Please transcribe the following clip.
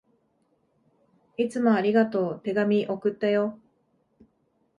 いつもありがとう。手紙、送ったよ。